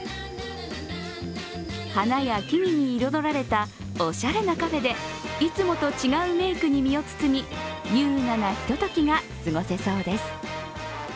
花や木々に彩られたおしゃれなカフェでいつもと違うメークに身を包み優雅なひとときが過ごせそうです。